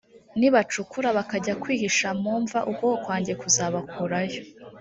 nibacukura bakajya kwihisha mu mva ukuboko kwanjye kuzabakurayo